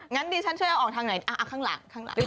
งั้นดีฉันช่วยเอาออกทางไหนอ่ะอ่ะข้างหลัง